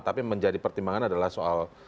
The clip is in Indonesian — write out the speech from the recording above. tapi menjadi pertimbangan adalah soal